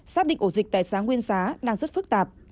xác định ổ dịch tại xá nguyên xá đang rất phức tạp